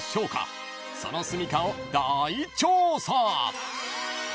［そのすみかを大調査］